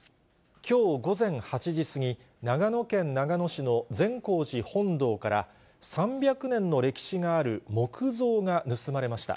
きょう午前８時過ぎ、長野県長野市の善光寺本堂から、３００年の歴史がある木像が盗まれました。